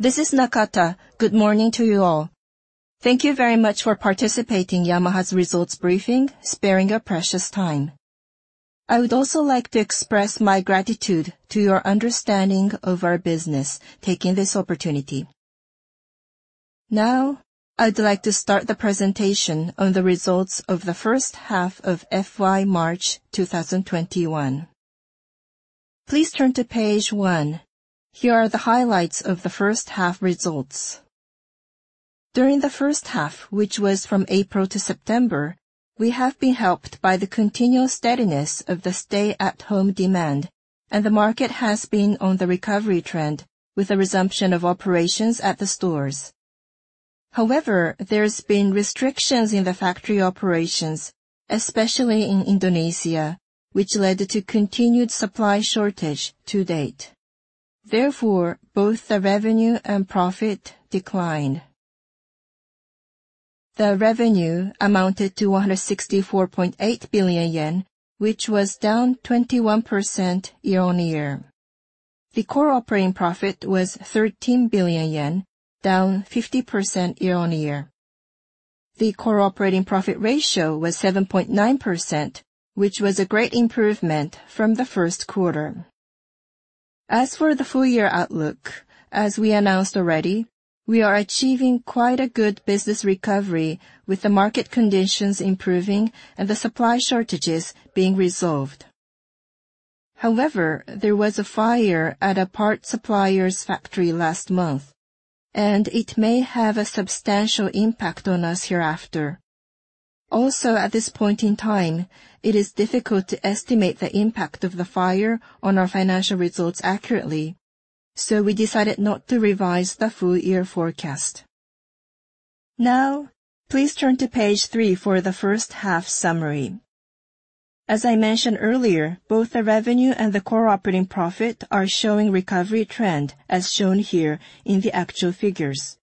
This is Nakata. Good morning to you all. Thank you very much for participating Yamaha's results briefing, sparing your precious time. I would also like to express my gratitude to your understanding of our business, taking this opportunity. Now I'd like to start the presentation on the results of the first half of FY March 2021. Please turn to page one. Here are the highlights of the first half results. During the first half, which was from April to September, we have been helped by the continual steadiness of the stay-at-home demand, the market has been on the recovery trend with a resumption of operations at the stores. There's been restrictions in the factory operations, especially in Indonesia, which led to continued supply shortage to date. Both the revenue and profit declined. The revenue amounted to 164.8 billion yen, which was down 21% year-on-year. The core operating profit was 13 billion yen, down 50% year-on-year. The core operating profit ratio was 7.9%, which was a great improvement from the first quarter. For the full-year outlook, as we announced already, we are achieving quite a good business recovery with the market conditions improving and the supply shortages being resolved. There was a fire at a part supplier's factory last month, and it may have a substantial impact on us hereafter. At this point in time, it is difficult to estimate the impact of the fire on our financial results accurately, so we decided not to revise the full-year forecast. Please turn to page three for the first half summary. I mentioned earlier, both the revenue and the core operating profit are showing recovery trend, as shown here in the actual figures.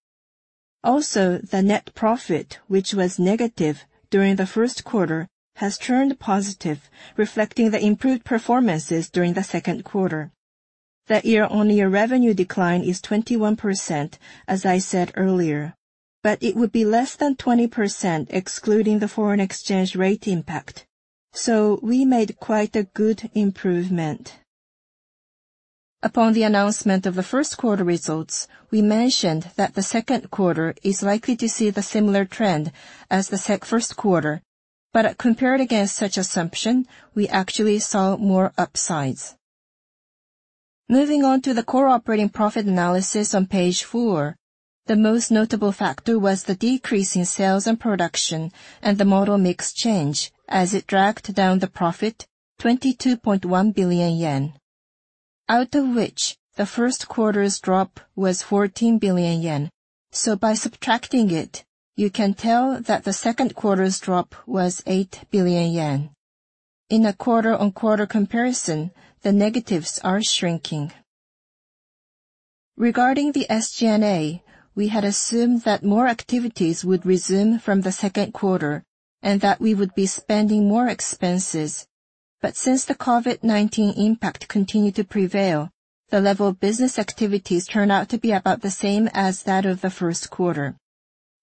The net profit, which was negative during the first quarter, has turned positive, reflecting the improved performances during the second quarter. That year-on-year revenue decline is 21%, as I said earlier, but it would be less than 20% excluding the foreign exchange rate impact. We made quite a good improvement. Upon the announcement of the first quarter results, we mentioned that the second quarter is likely to see the similar trend as the first quarter. Compared against such assumption, we actually saw more upsides. Moving on to the core operating profit analysis on page four. The most notable factor was the decrease in sales and production and the model mix change as it dragged down the profit 22.1 billion yen. Out of which, the first quarter's drop was 14 billion yen. By subtracting it, you can tell that the second quarter's drop was 8 billion yen. In a quarter-on-quarter comparison, the negatives are shrinking. Regarding the SG&A, we had assumed that more activities would resume from the second quarter and that we would be spending more expenses. Since the COVID-19 impact continued to prevail, the level of business activities turned out to be about the same as that of the first quarter.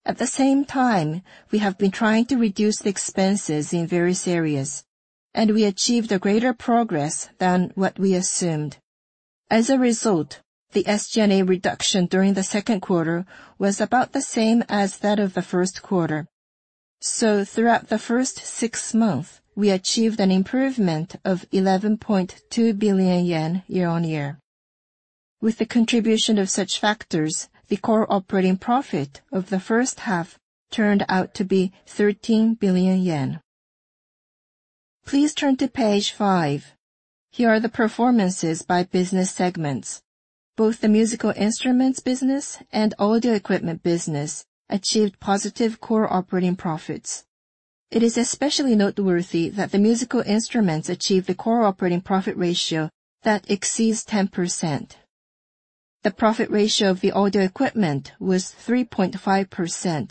At the same time, we have been trying to reduce the expenses in various areas, and we achieved a greater progress than what we assumed. As a result, the SG&A reduction during the second quarter was about the same as that of the first quarter. Throughout the first six months, we achieved an improvement of 11.2 billion yen year-on-year. With the contribution of such factors, the core operating profit of the first half turned out to be 13 billion yen. Please turn to page five. Here are the performances by business segments. Both the musical instruments business and audio equipment business achieved positive core operating profits. It is especially noteworthy that the musical instruments achieved the core operating profit ratio that exceeds 10%. The profit ratio of the audio equipment was 3.5%,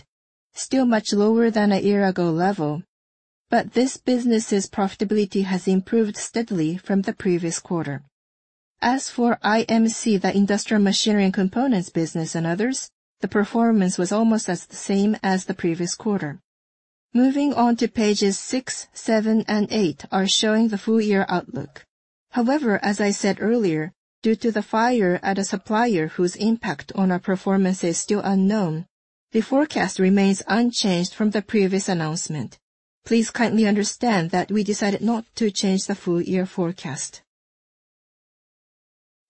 still much lower than a year ago level, but this business's profitability has improved steadily from the previous quarter. As for IMC, the industrial machinery and components business and others, the performance was almost as the same as the previous quarter. Moving on to pages six, seven, and eight are showing the full-year outlook. However, as I said earlier, due to the fire at a supplier whose impact on our performance is still unknown, the forecast remains unchanged from the previous announcement. Please kindly understand that we decided not to change the full-year forecast.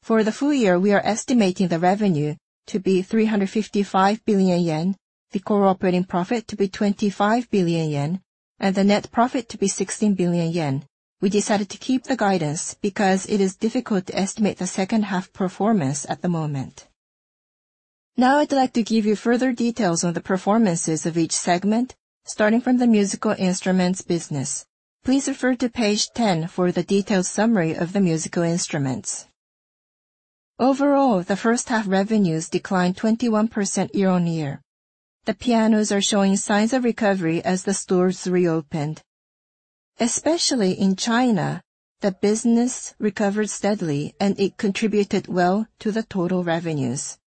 For the full year, we are estimating the revenue to be 355 billion yen, the core operating profit to be 25 billion yen, and the net profit to be 16 billion yen. We decided to keep the guidance because it is difficult to estimate the second half performance at the moment. Now, I'd like to give you further details on the performances of each segment, starting from the musical instruments business. Please refer to page 10 for the detailed summary of the musical instruments. Overall, the first half revenues declined 21% year-on-year. The pianos are showing signs of recovery as the stores reopened. Especially in China, the business recovered steadily, and it contributed well to the total revenues.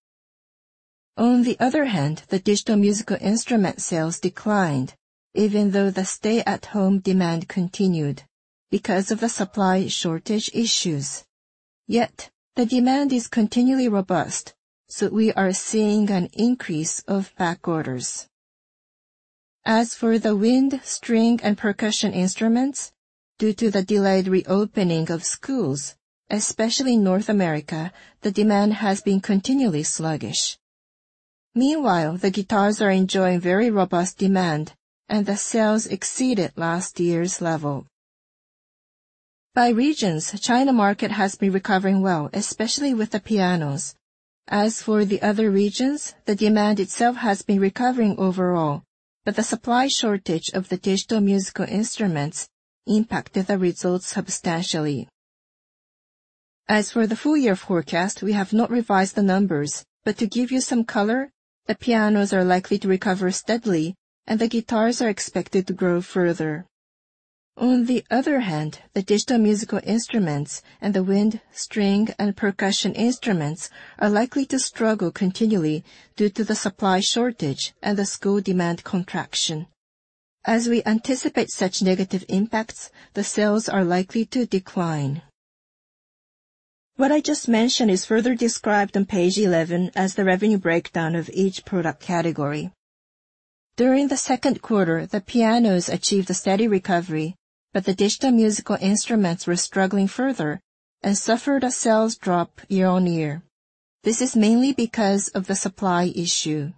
On the other hand, the digital musical instrument sales declined even though the stay-at-home demand continued because of the supply shortage issues. Yet the demand is continually robust, so we are seeing an increase of back orders. As for the wind, string, and percussion instruments, due to the delayed reopening of schools, especially in North America, the demand has been continually sluggish. Meanwhile, the guitars are enjoying very robust demand, and the sales exceeded last year's level. By regions, China market has been recovering well, especially with the pianos. As for the other regions, the demand itself has been recovering overall, but the supply shortage of the digital musical instruments impacted the results substantially. As for the full year forecast, we have not revised the numbers, but to give you some color, the pianos are likely to recover steadily, and the guitars are expected to grow further. On the other hand, the digital musical instruments and the wind, string, and percussion instruments are likely to struggle continually due to the supply shortage and the school demand contraction. As we anticipate such negative impacts, the sales are likely to decline. What I just mentioned is further described on page 11 as the revenue breakdown of each product category. During the second quarter, the pianos achieved a steady recovery, but the digital musical instruments were struggling further and suffered a sales drop year-on-year. This is mainly because of the supply issue.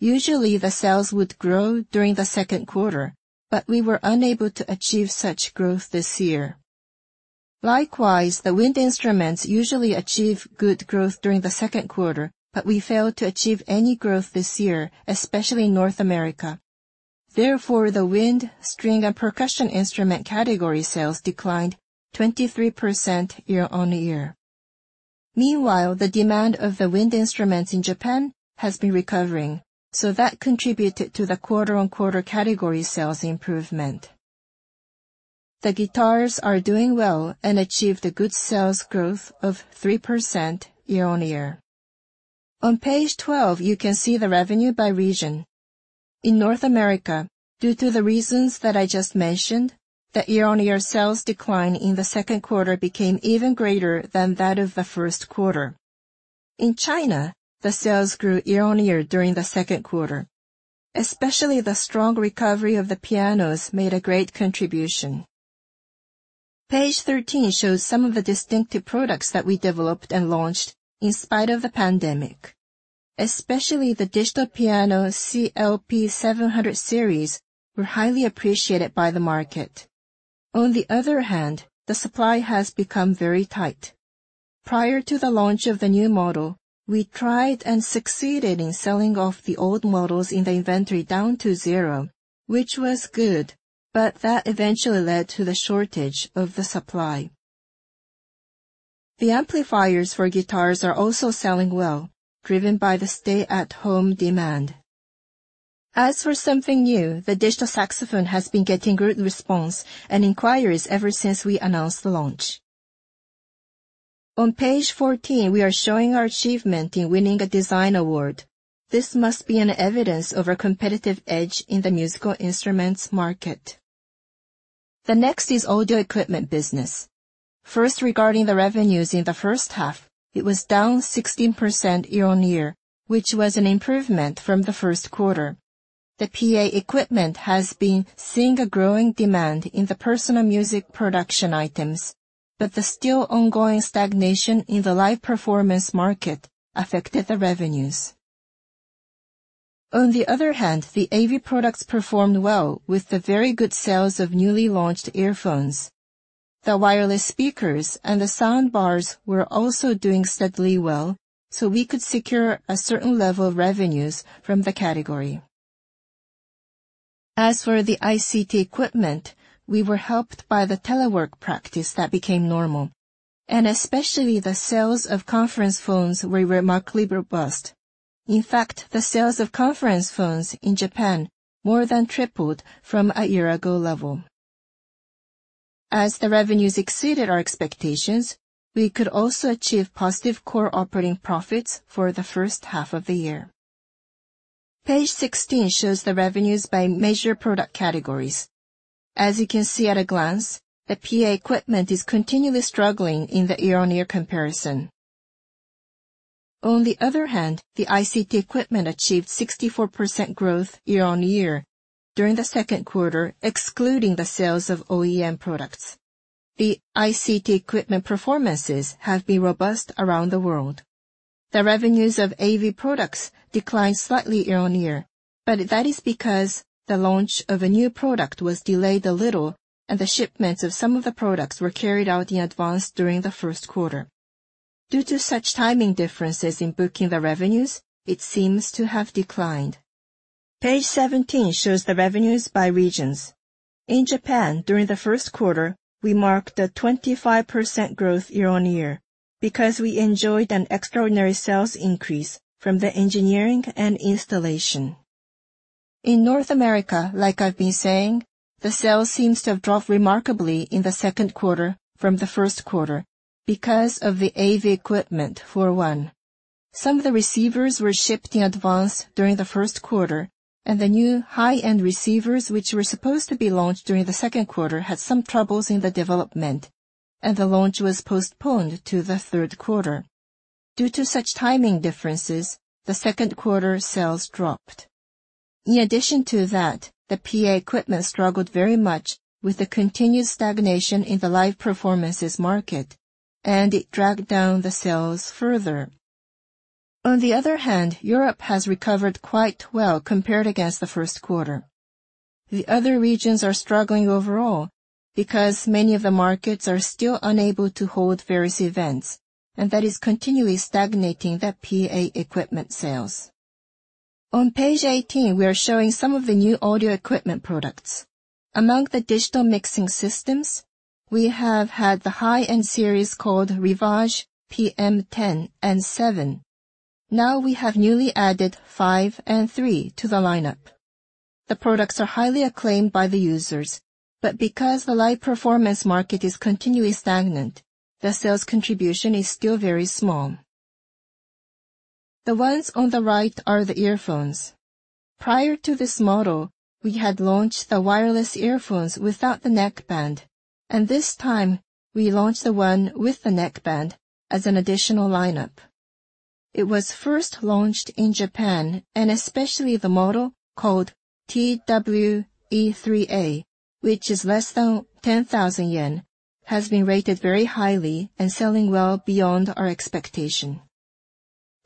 Usually, the sales would grow during the second quarter, but we were unable to achieve such growth this year. Likewise, the wind instruments usually achieve good growth during the second quarter, but we failed to achieve any growth this year, especially in North America. Therefore, the wind, string, and percussion instrument category sales declined 23% year-on-year. Meanwhile, the demand of the wind instruments in Japan has been recovering, so that contributed to the quarter-on-quarter category sales improvement. The guitars are doing well and achieved a good sales growth of 3% year-on-year. On page 12, you can see the revenue by region. In North America, due to the reasons that I just mentioned, the year-on-year sales decline in the second quarter became even greater than that of the first quarter. In China, the sales grew year-on-year during the second quarter. Especially, the strong recovery of the pianos made a great contribution. Page 13 shows some of the distinctive products that we developed and launched in spite of the pandemic. Especially the digital piano CLP-700 series were highly appreciated by the market. On the other hand, the supply has become very tight. Prior to the launch of the new model, we tried and succeeded in selling off the old models in the inventory down to zero, which was good, but that eventually led to the shortage of the supply. The amplifiers for guitars are also selling well, driven by the stay-at-home demand. As for something new, the digital saxophone has been getting good response and inquiries ever since we announced the launch. On page 14, we are showing our achievement in winning a design award. This must be an evidence of our competitive edge in the musical instruments market. Next is audio equipment business. 1st, regarding the revenues in the first half, it was down 16% year-on-year, which was an improvement from the first quarter. The PA equipment has been seeing a growing demand in the personal music production items, but the still ongoing stagnation in the live performance market affected the revenues. On the other hand, the AV products performed well with the very good sales of newly launched earphones. The wireless speakers and the sound bars were also doing steadily well, so we could secure a certain level of revenues from the category. As for the ICT equipment, we were helped by the telework practice that became normal, and especially the sales of conference phones were remarkably robust. In fact, the sales of conference phones in Japan more than tripled from a year ago level. As the revenues exceeded our expectations, we could also achieve positive core operating profits for the first half of the year. Page 16 shows the revenues by major product categories. As you can see at a glance, the PA equipment is continually struggling in the year-on-year comparison. On the other hand, the ICT equipment achieved 64% growth year-on-year during the second quarter, excluding the sales of OEM products. The ICT equipment performances have been robust around the world. The revenues of AV products declined slightly year-on-year, but that is because the launch of a new product was delayed a little, and the shipments of some of the products were carried out in advance during the first quarter. Due to such timing differences in booking the revenues, it seems to have declined. Page 17 shows the revenues by regions. In Japan, during the first quarter, we marked a 25% growth year-on-year. We enjoyed an extraordinary sales increase from the engineering and installation. In North America, like I've been saying, the sales seems to have dropped remarkably in the second quarter from the first quarter because of the AV equipment. For one, some of the receivers were shipped in advance during the first quarter, and the new high-end receivers, which were supposed to be launched during the second quarter, had some troubles in the development, and the launch was postponed to the third quarter. Due to such timing differences, the second quarter sales dropped. In addition to that, the PA equipment struggled very much with the continued stagnation in the live performances market, and it dragged down the sales further. On the other hand, Europe has recovered quite well compared against the first quarter. The other regions are struggling overall because many of the markets are still unable to hold various events, and that is continually stagnating the PA equipment sales. On page 18, we are showing some of the new audio equipment products. Among the digital mixing systems, we have had the high-end series called RIVAGE PM10 and seven. Now we have newly added five and three to the lineup. The products are highly acclaimed by the users, but because the live performance market is continually stagnant, the sales contribution is still very small. The ones on the right are the earphones. Prior to this model, we had launched the wireless earphones without the neck band, and this time, we launched the one with the neck band as an additional lineup. It was 1st launched in Japan, and especially the model called TW-E3A, which is less than 10,000 yen, has been rated very highly and selling well beyond our expectation.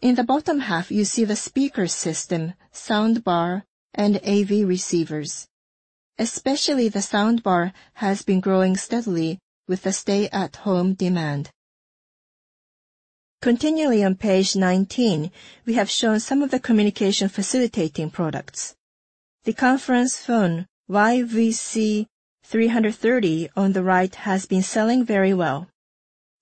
In the bottom half, you see the speaker system, soundbar, and AV receivers. Especially the soundbar has been growing steadily with the stay-at-home demand. Continually on page 19, we have shown some of the communication facilitating products. The conference phone, YVC-330, on the right, has been selling very well.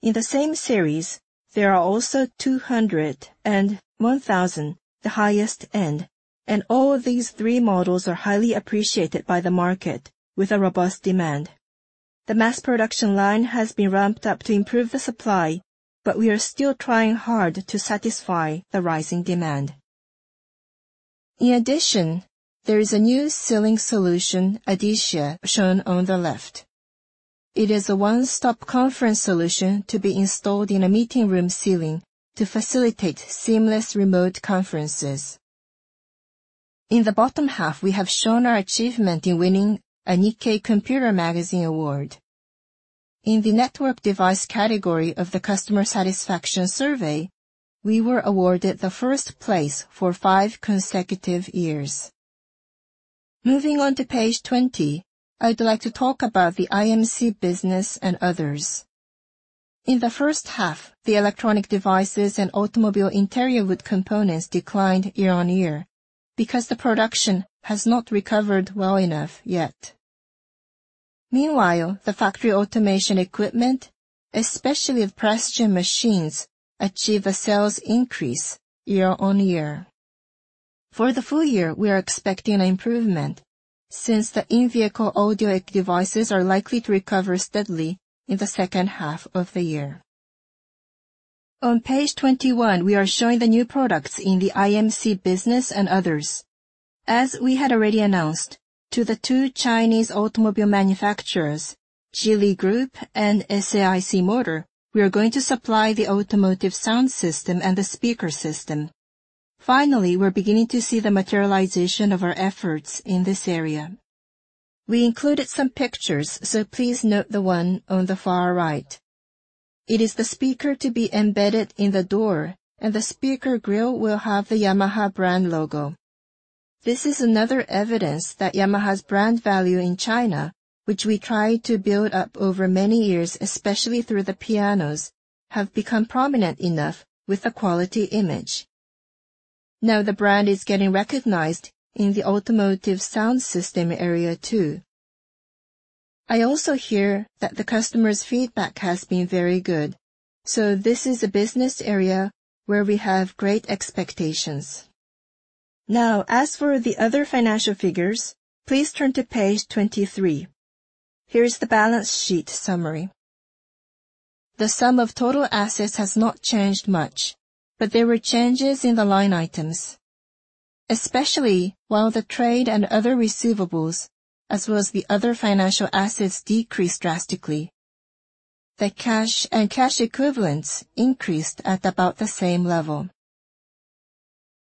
In the same series, there are also 200 and 1,000, the highest end, and all of these three models are highly appreciated by the market with a robust demand. The mass production line has been ramped up to improve the supply, but we are still trying hard to satisfy the rising demand. In addition, there is a new ceiling solution, ADECIA, shown on the left. It is a one-stop conference solution to be installed in a meeting room ceiling to facilitate seamless remote conferences. In the bottom half, we have shown our achievement in winning a Nikkei Computer magazine award. In the network device category of the customer satisfaction survey, we were awarded the 1st place for five consecutive years. Moving on to page 20, I would like to talk about the IMC business and others. In the first half, the electronic devices and automobile interior wood components declined year-on-year because the production has not recovered well enough yet. Meanwhile, the factory automation equipment, especially the press gym machines, achieve a sales increase year-on-year. For the full year, we are expecting an improvement since the in-vehicle audio devices are likely to recover steadily in the second half of the year. On page 21, we are showing the new products in the IMC business and others. As we had already announced to the two Chinese automobile manufacturers, Geely Group and SAIC Motor, we are going to supply the automotive sound system and the speaker system. Finally, we're beginning to see the materialization of our efforts in this area. We included some pictures, so please note the one on the far right. It is the speaker to be embedded in the door, and the speaker grill will have the Yamaha brand logo. This is another evidence that Yamaha's brand value in China, which we tried to build up over many years, especially through the pianos, have become prominent enough with the quality image. The brand is getting recognized in the automotive sound system area, too. I also hear that the customers' feedback has been very good, so this is a business area where we have great expectations. As for the other financial figures, please turn to page 23. Here is the balance sheet summary. The sum of total assets has not changed much, but there were changes in the line items. Especially while the trade and other receivables, as well as the other financial assets, decreased drastically. The cash and cash equivalents increased at about the same level.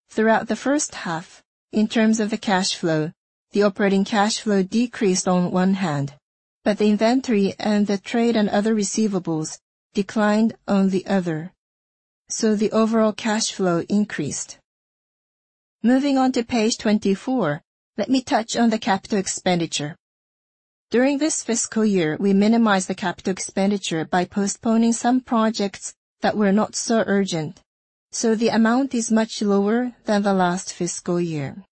Throughout the first half, in terms of the cash flow, the operating cash flow decreased on one hand, but the inventory and the trade and other receivables declined on the other. The overall cash flow increased. Moving on to page 24, let me touch on the capital expenditure. During this fiscal year, we minimized the capital expenditure by postponing some projects that were not so urgent, so the amount is much lower than the last fiscal year.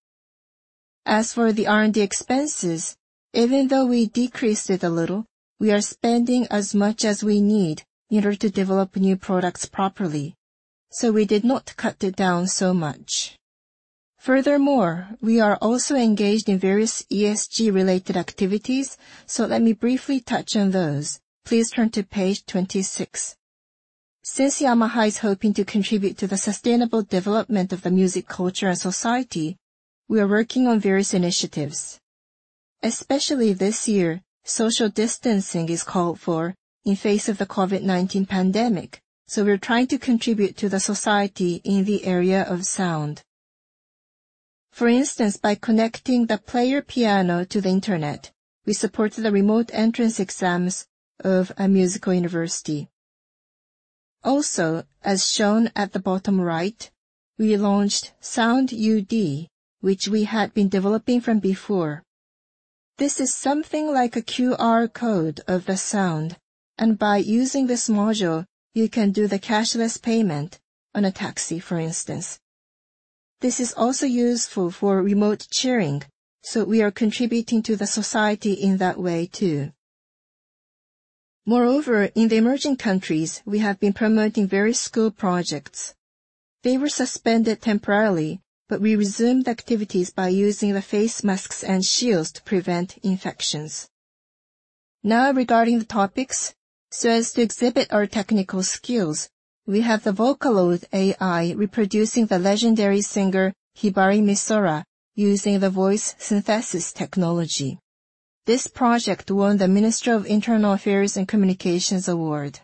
As for the R&D expenses, even though we decreased it a little, we are spending as much as we need in order to develop new products properly, so we did not cut it down so much. We are also engaged in various ESG related activities, let me briefly touch on those. Please turn to page 26. Yamaha is hoping to contribute to the sustainable development of the music culture and society, we are working on various initiatives. Especially this year, social distancing is called for in face of the COVID-19 pandemic, we're trying to contribute to the society in the area of sound. For instance, by connecting the player piano to the internet, we supported the remote entrance exams of a musical university. As shown at the bottom right, we launched SoundUD, which we had been developing from before. This is something like a QR code of the sound, by using this module, you can do the cashless payment on a taxi, for instance. This is also useful for remote cheering, so we are contributing to the society in that way too. In the emerging countries, we have been promoting various school projects. They were suspended temporarily, we resumed activities by using the face masks and shields to prevent infections. Regarding the topics. As to exhibit our technical skills, we have the VOCALOID:AI reproducing the legendary singer, Hibari Misora, using the voice synthesis technology. This project won the Minister of Internal Affairs and Communications award.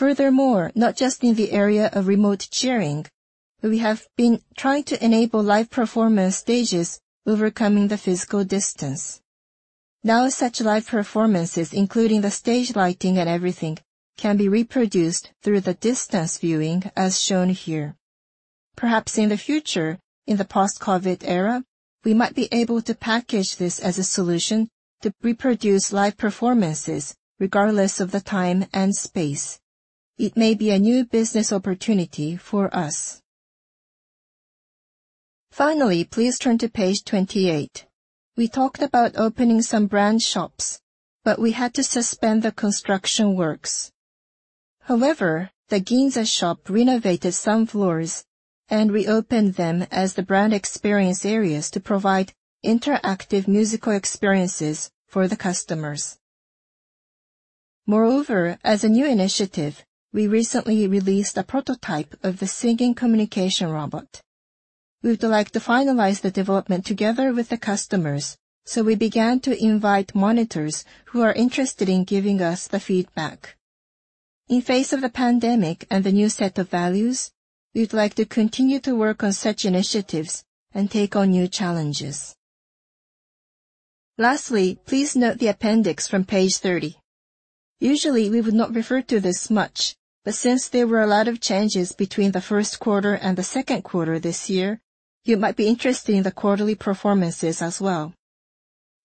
Not just in the area of remote cheering, we have been trying to enable live performance stages overcoming the physical distance. Such live performances, including the stage lighting and everything, can be reproduced through the distance viewing as shown here. Perhaps in the future, in the post-COVID era, we might be able to package this as a solution to reproduce live performances regardless of the time and space. It may be a new business opportunity for us. Finally, please turn to page 28. We talked about opening some brand shops, but we had to suspend the construction works. However, the Ginza shop renovated some floors and reopened them as the brand experience areas to provide interactive musical experiences for the customers. Moreover, as a new initiative, we recently released a prototype of the singing communication robot. We would like to finalize the development together with the customers, so we began to invite monitors who are interested in giving us the feedback. In face of the pandemic and the new set of values, we would like to continue to work on such initiatives and take on new challenges. Lastly, please note the appendix from page 30. Usually, we would not refer to this much, but since there were a lot of changes between the first quarter and the second quarter this year, you might be interested in the quarterly performances as well.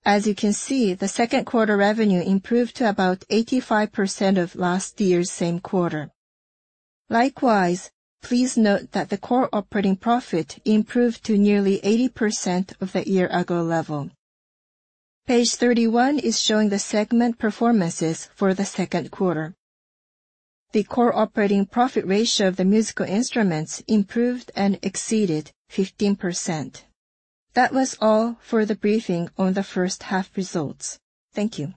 As you can see, the second quarter revenue improved to about 85% of last year's same quarter. Likewise, please note that the core operating profit improved to nearly 80% of the year ago level. Page 31 is showing the segment performances for the second quarter. The core operating profit ratio of the musical instruments improved and exceeded 15%. That was all for the briefing on the first half results. Thank you.